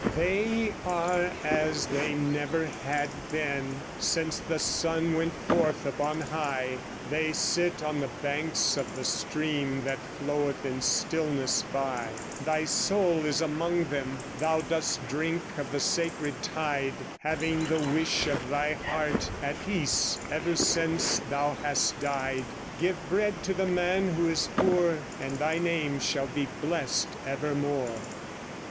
They are as they never had been Since the sun went forth upon high; They sit on the banks of the stream That floweth in stillness by. Thy soul is among them; thou Dost drink of the sacred tide, Having the wish of thy heart, At peace ever since thou hast died. Give bread to the man who is poor, And thy name shall be blest evermore.